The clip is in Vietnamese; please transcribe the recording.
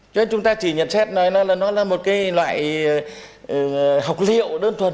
cho nên chúng ta chỉ nhận xét là nó là một cái loại học liệu đơn thuần